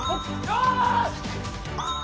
よし！